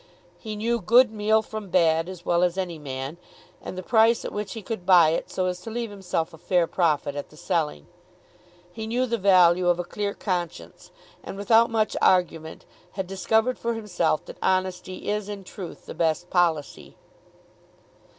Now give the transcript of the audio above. He knew good meal from bad as well as any man, and the price at which he could buy it so as to leave himself a fair profit at the selling. He knew the value of a clear conscience, and without much argument had discovered for himself that honesty is in truth the best policy.